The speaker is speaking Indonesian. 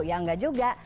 ya enggak juga